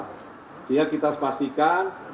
sehingga kita harus pastikan